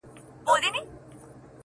څنگه ساز دی څه مستې ده، څه شراب دي،